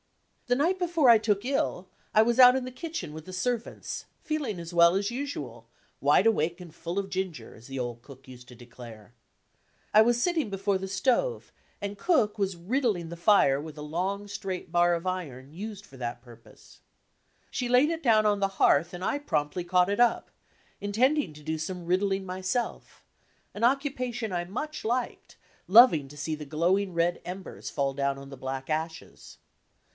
The night before I took ill I was out in the kitchen with the servants, feeling as well as usual, "wide awake and full of ginger," as the old cook used to declare. 1 was sitting before the stove, and cook was "riddling" the fire with a long, straight bar of iron used for that purpose. She laid it down on the hearth and I promptly caught it up, intending to do some "riddling" myself, an occupation I much liked, lovitig to see the glowing red embers fall down on the black ashes.